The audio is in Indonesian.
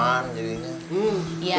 anda ada kata apa